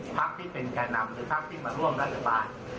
พักที่เป็นแก่นำหรือพักที่มาร่วมรัฐบาล